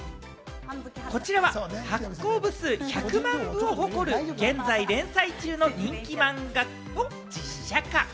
こちらは発行部数１００万部を誇る、現在連載中の人気漫画を実写化。